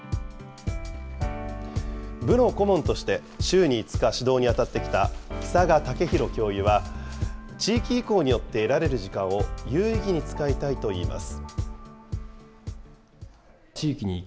部の顧問として週に５日指導に当たってきた久賀健裕教諭は、地域移行によって得られる時間を有意義に使いたいといいます。